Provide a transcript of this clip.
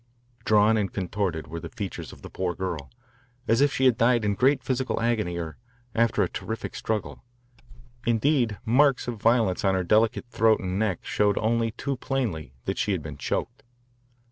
Drawn and contorted were the features of the poor girl, as if she had died in great physical agony or after a terrific struggle. Indeed, marks of violence on her delicate throat and neck showed only too plainly that she had been choked.